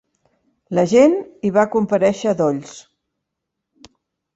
La gent hi va comparèixer a dolls.